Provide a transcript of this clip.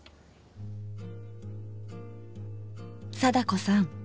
貞子さん